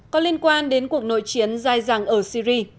có liên quan đến cuộc nội chiến dài dẳng ở syri